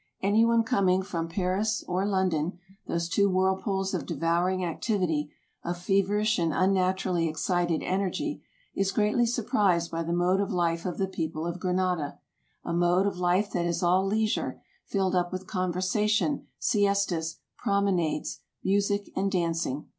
Any one coming from EUROPE 185 Paris or London, those two whirlpools of devouring activity, of feverish and unnaturally excited energy, is greatly sur prised by the mode of life of the people of Granada — a mode of life that is all leisure, filled up with conversation, siestas, promenades, music, and dancing.